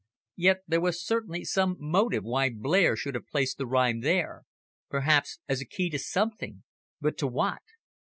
Yet there was certainly some motive why Blair should have placed the rhyme there perhaps as a key to something, but to what?